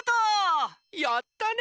やったね！